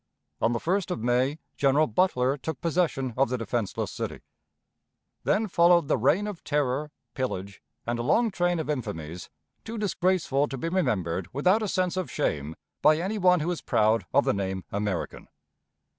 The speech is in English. On the 1st of May General Butler took possession of the defenseless City; then followed the reign of terror, pillage, and a long train of infamies, too disgraceful to be remembered without a sense of shame by any one who is proud of the name American.